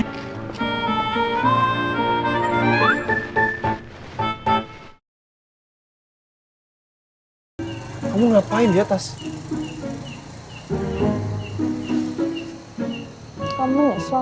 di mana akuiso temlandaknya